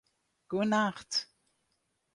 Goenacht